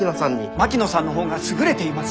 槙野さんの方が優れています。